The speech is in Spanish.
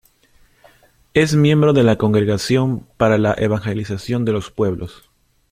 Es miembro de la Congregación para la Evangelización de los Pueblos.